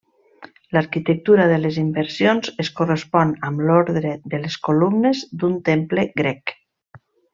L'arquitectura de les inversions es correspon amb l'ordre de les columnes d'un temple grec.